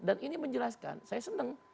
dan ini menjelaskan saya seneng